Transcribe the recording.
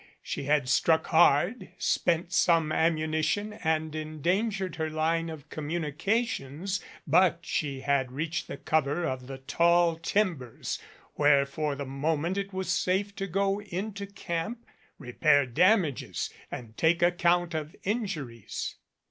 She had struck hard, spent some ammunition and endangered her line of communications, but she had reached the cover of the tall timbers, where for the moment it was safe to go into camp, repair damages and take account of in juries.